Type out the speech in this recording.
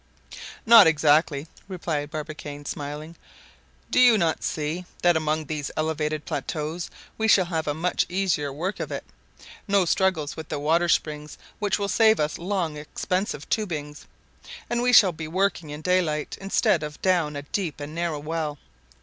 "Not exactly," replied Barbicane, smiling; "do you not see that among these elevated plateaus we shall have a much easier work of it? No struggles with the water springs, which will save us long expensive tubings; and we shall be working in daylight instead of down a deep and narrow well.